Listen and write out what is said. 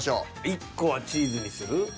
１個はチーズにする？